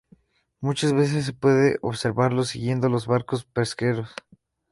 Muchas veces se puede observarlos siguiendo los barcos pesqueros.